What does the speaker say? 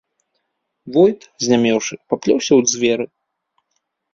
Войт, знямеўшы, паплёўся ў дзверы.